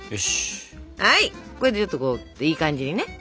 これでちょっといい感じにね。